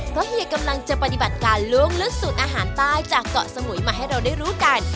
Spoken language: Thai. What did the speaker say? เพราะเฮียกำลังจะปฏิบัติการล้วงลึกสูตรอาหารใต้จากเกาะสมุยมาให้เราได้รู้กัน